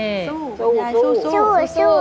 ยายชู้